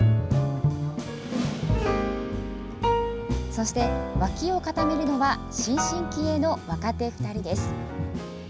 そして脇を固めるのは新進気鋭の若手２人です。